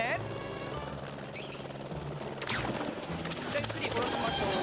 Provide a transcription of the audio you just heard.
じゃあゆっくりおろしましょう。